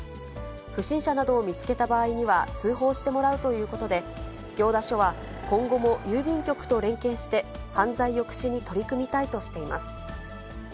不審者などを見つけた場合には通報してもらうということで、行田署は今後も郵便局と連携して、犯罪抑止に取り組みたいとしています。